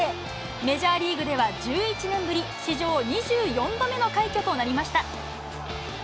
メジャーリーグでは１１年ぶり、史上２４度目の快挙となりました。